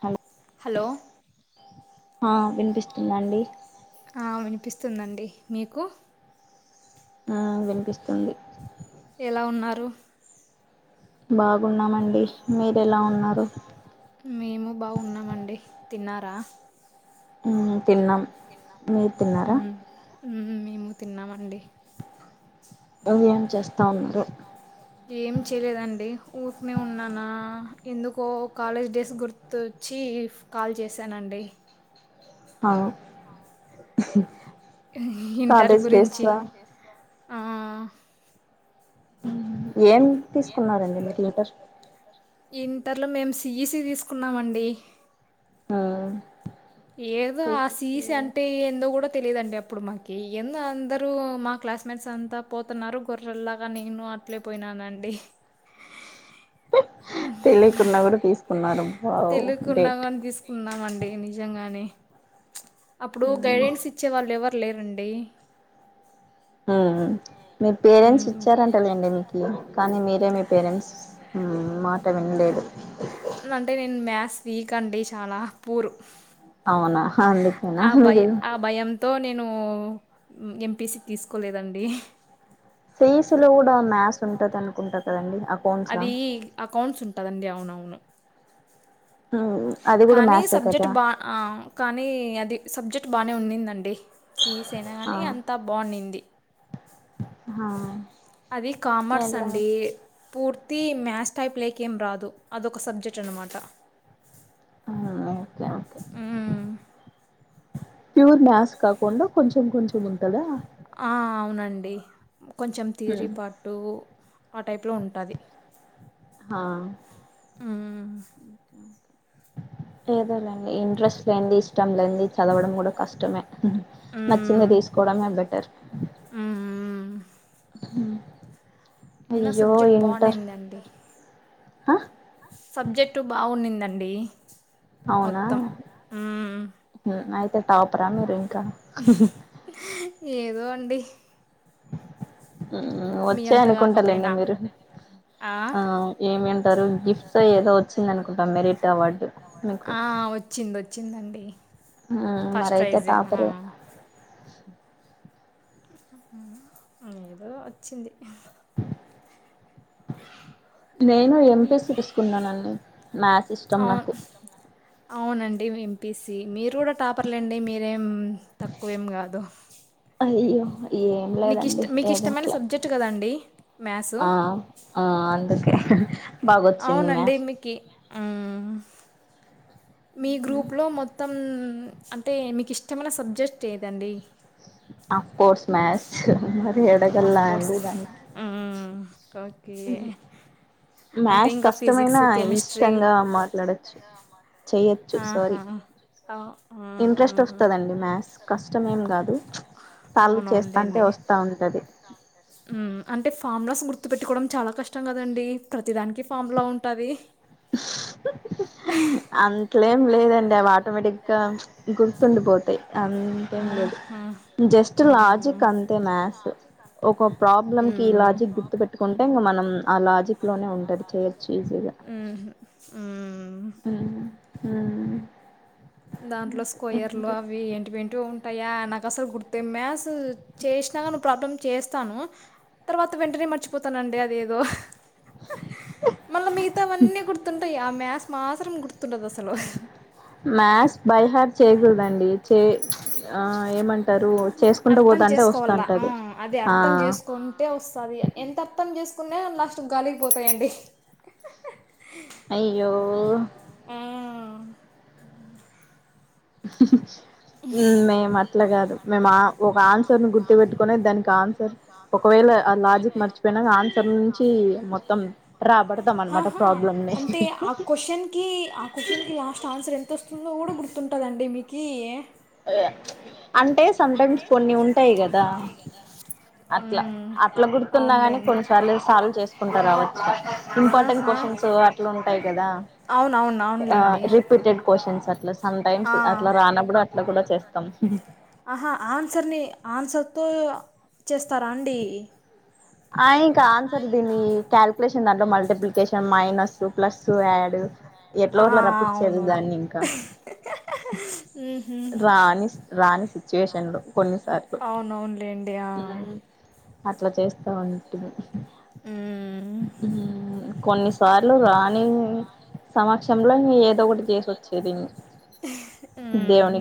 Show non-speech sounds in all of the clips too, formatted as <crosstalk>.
hello hello ఆ వినిపిస్తుందండి అనిపిస్తుందండి మీకు ఆ వినిపిస్తుంది ఎలా ఉన్నారు బాగున్నామండి మీరు ఎలా ఉన్నారు బాగున్నామండి తిన్నారా తిన్నాం మీరు తిన్నారా మేము తిన్నామండి వం చేస్తూ ఉన్నారు ఏం చేయలేదండి ఊరినే ఉన్నానా ఎందుకో కాలేజ్ డేస్ గుర్తొచ్చి కాల్ చేశానండి అ కాలేజ్ డేస్ ఏం తీసుకున్నారండి మీకు ఇంటర్ ఇంటర్లో మేము సఈసి తీసుకున్నామండి ఆ ఏదో ఆ సీసి అంటే ఎందుకూడా తెలిదండి అప్పుడు మాకి ఎందుో అందరుూ మా క్లాస్ మేట్స్ అంతా పోతున్నారు గొర్రెల్లాగా నేను నాట్లే పోయినాండి తెలుగుకున్నామని తీసుకున్నామండి నిజంగా అప్పుడు గైడెన్స్ ఇచ్చే వాళ్ళు ఎవరు పలేరండి మీ పేరెంట్స్ ఇచ్చారంటారుండి మీకు కానీ మీరేమి పేరెంట్స్ మాట వినలేదు అంటే నేను మ్యాథ్స్ వీక్ అండి చాలా పూరు ఆ భయ ఆ భయంతో నేను ఎమ్ పి సి తీసుకోలేదండి అది అకౌంట్స్ ఉంటదండి అవునవును కానీ సబ్జెక్ట్ బా ఆ కానీ అది సబ్జెక్ట్ బాగానే ఉన్నిందండి సిఈసి అయినా కానీ అంతా బాగున్నింది అది కామర్స్ అండి పూ ర్తి మ్యాథ్స్ టైప్ లేక ఏం రాదు అదొక సబ్జెక్ట్ అన్నమాట ఆ ఓకే ఓకే ప్యూర్ మ్యాస్ కాకుండా కొంచెం కొంచెం ఉంటదా అవునండి కొంచం తీరి పార్ట్ ఆ టైప్ లో ఉంటాది హా ఏదో లేండి ఇంట్రెస్ట్ లేంది ఇష్టం లేంది చదవడం కూడా కష్టమే నచ్చింది తీసుకోవడమే బెటర్ మ్ అయినా సబ్జెక్ట్ బావుండింది అండి సబ్జెక్టు బాగున్నిందండి మొత్తం మ్ టాపరా మీరు ఇంకా ఏదో అండి మ్ వచ్చాయి అనుకుంటా లేండి మీరు ఆ ఏమింటారు గిఫ్ట్స్ ఏదో వచ్చింది అనుకుంటా మెరిట్ అవార్డు మీకు అ వచ్చింది వచ్చిందండి మ్ మరి అయితే టాపరే మ్ ఏదో వచ్చింది నేను ఎంపిసి తీసుకున్నాను అండి మ్యాస్ ఇష్టం నాకు ఏమి ఎంపిసీ మీరు కూడా టాపర్ లేండి మీరేం తక్కువేం కాదు అయ్యో ఏం లేదండి ఏదో అట్ల ఆ ఆ అందుకే బాగా వచ్చింది మ్యాస్ మీ గ్రూప్లో మొత్తం అంటే మీకు ఇష్టమైన సబ్జెక్ట్ ఏదండి అఫ్ కోర్స్ మ్ ఓకే ఇ మ్యాస్ కష్టమైన ఇష్టంగా మాట్లాడచ్చు చెయ్యో అహా ఇంట్రెస్ట్ వస్తదండి మ్యాస్ కష్టం ఏం కాదు సాల్వ్ చేస్తాంటే వస్తా ఉంటది మ్ అంటే ఫామ్లాస్ గుర్తుపెట్టుకోవడం చాలా కష్టం కదండి ప్రతిదానికి ఫామ్లా ఉంటాది అంతాల ఏం లేదండి అవి ఆటోమేటిక్ గా గుర్తుండిపో అంతేం లేదు జస్ట్ లాజిక్ అంతే మ్యాస్ ఒక ప్రాబ్లం కి లాజిక్ గుర్తు పెట్టుకుంటే ఇంకా మనం ఆ లాజిక్ లోనే ఉంటది చేయొచ్చు ఈజీ మ్ హూ మ్ మ్ మ్ దాంట్లో స్క్వయర్లు అవి ఏంటివేంటివో ఉం టాయా నాకు అసలు గుర్తె మ్యాస్ చేసినా ప్రాబ్లం చేస్తాను తర్వాత వెంటనే మర్చిపోతానండి అది ఏదో మళ్లా మిగతావన్నీ గుర్తుంటాయి ఆ మ్యాస్ మాత్రం గుర్తుండదు అసలు మ్యాస్ బై హాట్ చేయకూడదండి చే ఆ ఏమంటారు చేసుకుంటా పో చేకోవాల అది అర్థం చేసుకుంటే వస్తది ఎంత అర్థం చేసు కునే లాస్ట్ గాలికి పోతాయండి అయ్యో ఆ <unintelligible> మేము అట్లా కాదు మేము ఒక ఆన్సర్ ని గుర్తు పెెట్టుకునే దానికి ఆన్సర్ ఒక ఒకవేళ ఆ లాజిక్ మర్చిపోయినాక ఆన్సర్ నుంచి మొత్తం రాబడతాం అనమాట ప్రాబ్లమ్ ని అంటే ఆ క్వశ్చన్కి ఆ క్వశ్చన్కి లాస్ట్ ఆన్సర్ ఎంత వస్తుందో కూడా గుర్తుంటుందండి మీకు అంటే సటైమ్స్ కొన్ని ఉంటాయి కదా అట్లా అట్లా గుర్తున్నా కాని కొన్నిసార్లు సాల్వ్ చేసుకుంటారు రావచ్చు ఇంపార్టెంట్ క్వశ్చన్ కొంచో అట్లు ఉంటాయి కదా ఆ రిపీటెడ్ క్వశ్చన్స్ అట్లా సటైమ్స్ అట్లా రానప్పుడు ఆహా ఆన్సర్ ని ఆన్సర్ తో చేస్తారా అండి అయి ఆన్సర్ దీని కల్కులేషన్ దాంట్లో మల్టిప్లికేషన్ మైనస్ ప్లస్ యాడ్ ఎ లోట్ల రప్పించేది దాన్ని ఇంకా రాని రాని సిచ్యుయేషన్ లో కొన్నిసార్లు అట్లా చేస్తా ఉంటుంది కొన్ని సార్లు రాని సమక్షంలో ఇ ఏదో ఒకటి చేసిొచ్చేది ఇ దేవుని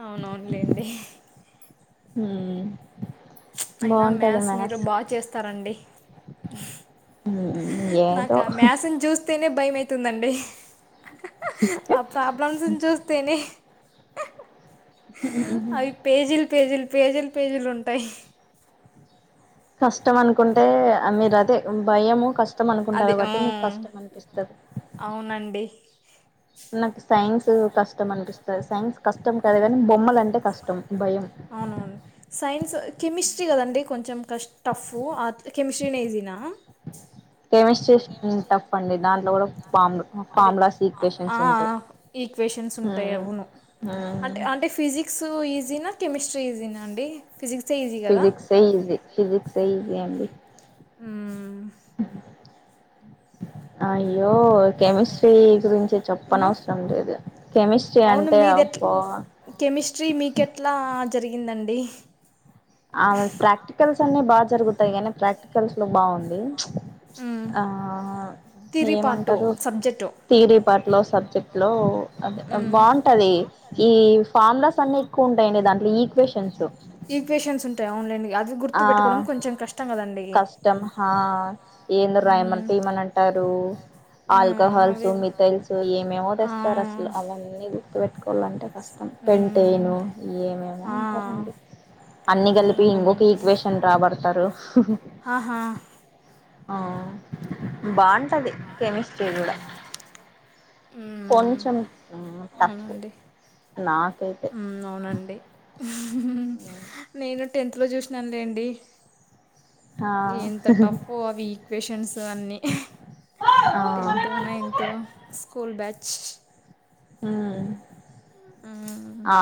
అవునవునులేండి హ అయినా మ్యాథ్స్ మీరు బాగా చేస్తారండి నాకా మేసని చూస్త స్తేనే భయం అవుతుందండి ఆ ప్రాబ్లమ్స్ చూస్తేనే అవి పేజీలు పేజీలు పేజీలు పేజీలు ఉంటాయి కష్టం అనుకుంటే మీరు అదే భయము కష్టం అనుకుంటారుబట్టి మీకు కష్టం అనిపిస్తుంది నాకు సైన్స్ కష్టం అనిపిస్తుంది సైన్స్ కష్టం కద అవునవును సైన్స్ కెమిస్ట్రీ కదండి కొంచెం క టఫ కెమిస్ట్రీ న ఈసిన కెమిస్ట్రీ టఫ్ అండి దాంట్లో కూడా అది ఆ ఈక్వేషన్స్ ఉంటాయివును అంటే అంటే ఫిజిక్స్ ఈజీనా కెమిస్ట్రీ ఈజీనా అండి ఫిజక్ స ఫిజక్స్ సజ అడి ఆ అయ్యో కెమిస్ట్రీ గురించి చెప్పనవసరం లేదు కెమిస్ట్రీ అంటే అప్ప కెమిస్ట్రీ మీకెట్లా జరిగిందండి జరుగుతాయి కానీ ప్రాక్టికల్స్ లో బాగుంది తిరి పాటు సబ్జెక్ట్ థిరీ పట్లో సబ్జెక్ట్ లో బాగుంటది ఈ ఫార్ములాస్ అన్ని ఎక్కువ ఉంటాయండి దాంట్లో ఈక్వేషన్స్ ఈక్వేషన్స్ ఉంటాయి ఆన్లైన్ ఆ కష్టం ఆ ఏంద రైమన్ టీం అని అంటే ఆల్కహాల్స్ మిథల్స్ ఏమేమో తెస్తారు అసలు అవీ గుర్తు పెట్టుకోవాలంటస్త పెంటేను ఏమేమో అంటారండి అన్ని కలిపి ఇంకొక ఈక్వేషన్ రాబడతారు ఆ బాగుంటది కెమిస్ట్రీ కూడా కొంచెం తఫ్ నాకైతే అండి నేను టెన్త్ లో చూసినానులేండి ఎంత టఫో అ వీక్ పెషన్స్ అన్ని టెన్త్ నైత్ <unintelligible> డాచ్ <unintelligible> మ్ ఆ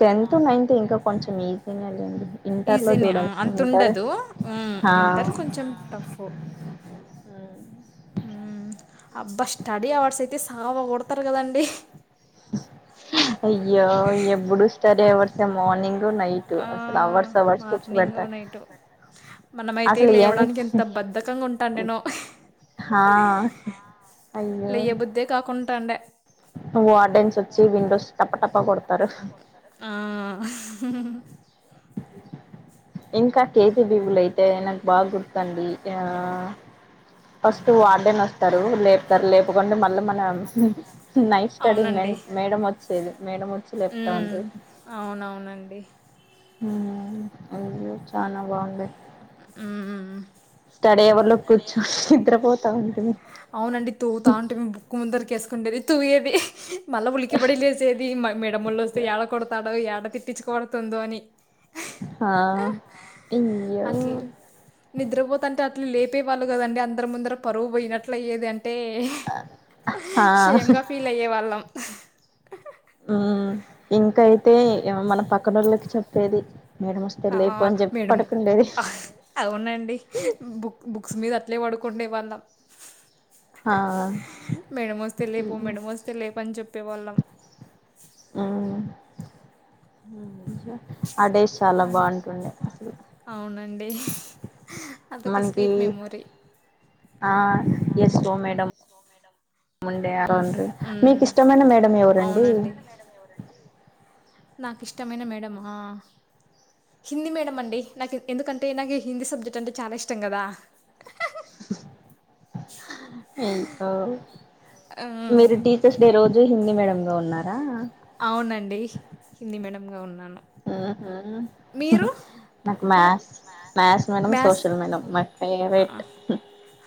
టెన్త్ నైత్ ఇంకా కొంచెం ఈజీగా లేండి ఇంటర్ లో చూడాల్సిన ఇంటర్ తో ఇంటర్ కొంచెం టఫ్ ఉ అబ్బా స్టడీ అవర్స్ అయితే సావా కొడతారు కాదండి అయ్యో ఎప్పుడు స్టడీ అవార్స్ ఆ మార్నింగ్ నైటు మనమైతే లేవడానికి ఎంత బద్దకంగా ఉంటాటినో లేయ్యబుద్దే కాకుంట ఉండే ఆ ఇంకా కేపిబిపి లయితే నాకు బాగా గుర్తుంది ఆ ఫస్ట్ వార్డెన్ వస్తారు లేపుతారు లేపకుండా మళ్ళీ మన నైట్ స్టడీ మెంట్ మేడమచ్చేది మేడం వచ్చి లేపుతావుండేది అ అయ్యే చాలా బాగుండే ఉ అవునండి తూతా ఉంటే మేము బుక్కు ముందరికేసు తుండేది తూయేది మళ్ళా ఉలికి పడి లేసేది మేడమ్ మళ్ళా వస్తే యాడ కొడతాదో య మళ్ళా తిట్టిచుకోబడుతుందోని <unintelligible> నిద్రపోతంటే అట్లా లేపేవాళ్ళు కాదండి అందరు ముందర పరువు పోయినట్ల అయేది అం టే షేమ్ గా ఫీల్ అయ్యే వాళ్ళం ఉ ఇంకాయితే మన య పక్కనోళ్ళకి చెప్పేది ఆ మేడం అవునండి బుక్ బుక్స్ మీద అట్లే పడుక్ కుండే వాళ్ళం మేడం వస్తే లేపు మేడం వస్తే లేపు అని చెప్ ప్పేవాళం <unintelligible> ఆ డేస్ చాలా బాగున్నాయి అవునండి మనకి ఆ ఎస్ఓ మేడం ఉండే అవును మీకు ఇష్టమైన మేడం ఎవరండి నాకు ఇష్టమైన మేడమా హిందీ మేడం అండి నాకు ఎందుకంటే నాకు హిందీ సబ్జెక్ట్ అంటే చాలా ఇష్టం కదా <unintelligible> మీరు టీచర్స్ డే రోజ్ అవునండి హిందీ మేడం గా ఉన్నాను నాకు maths maths madam social madam నాకు ఫేవరేట్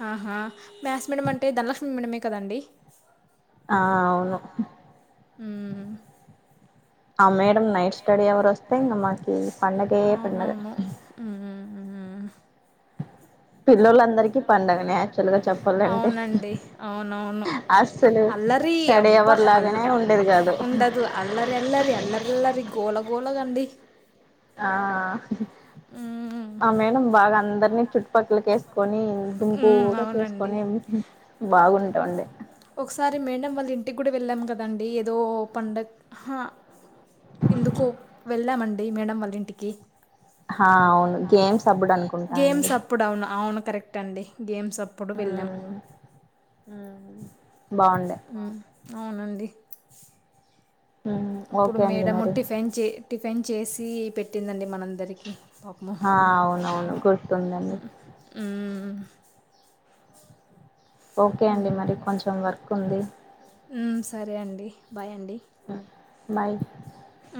ఆహా మ్యాస్ మేడం అంటే ధనలక్ష్మి మేడమే కదండి ఆ అవును ఉమ్ ఆ మేడం నైట్ స్టడీ అవర్ వస్తే ఇంకా మానాకి పండగే పండగ <unintelligible> పిల్లందరికి పండగానే అవునండి అవునవును అల్లరి అబ్బా అల్ ఉండదు అల్లరిఅల్లారి అల్లరిఅల్లారి గోళ గోలాగండి ఆ ఆ మేడం బాగా అందరినీ చుట్టుపక్కలకేస్త్ కొని గూపుల్ గా చేసుకొని బాగుంటాండే ఒకసారి మేడం వాళ్ళ ఇంటికి కూడా వెళ్ళాం కాదండి ఏదో పండక్ అహ ఎందుకు వెళ్ళామండి మేడం వాళ్ళ ఇంటికి హా అవును గేమ్స్ గేమ్స్ అప్పుడు అవును అవును కరెక్ట్ అండి గేమ్స్ అప్పుడు వెళ్ళాం ఆ అవునండి ఇప్పుడు మేడము టిఫిన్ టిఫిన్ చేసి పెట్టిందండి మనందరికి పాపము సరే అండి బాయ్ అండి మై ఆ